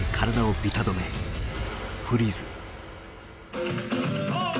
「フリーズ」。